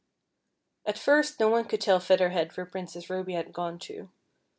At first no one could tell Feather Head where Princess Ruby had gone to.